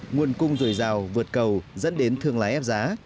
nguồn cung dồi dào vượt cầu dẫn đến thương lái ép giá